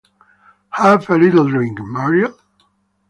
Have a little drink, Muriel?